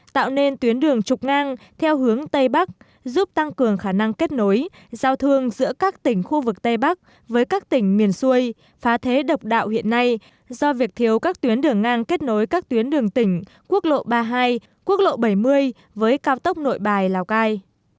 tạo nên tuyến đường trục ngang theo hướng tây bắc giúp tăng cường khả năng kết nối giao thương giữa các tỉnh khu vực tây bắc với các tỉnh miền xuôi phá thế độc đạo hiện nay do việc thiếu các tuyến đường ngang kết nối các tuyến đường tỉnh quốc lộ ba mươi hai quốc lộ bảy mươi với cao tốc nội bài lào cai